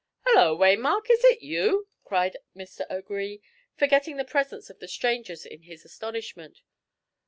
"Hollo, Waymark, is it you?" cried Mr. O'Gree, forgetting the presence of the strangers in his astonishment.